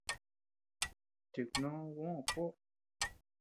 Tiknó Juó kuoʼo.